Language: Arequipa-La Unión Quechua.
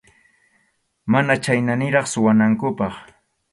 Mana chhayna niraq suwanankupaq.